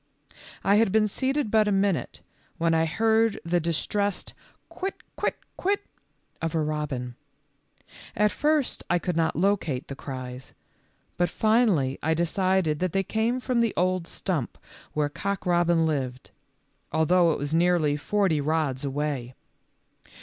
I had been seated but a minute when I heard the distressed M quit, quit, quit " of a robin. At first I could not locate the cries, but finally I decided that they came from the old stump w r here Cock robin lived, although it was nearly forty rods away.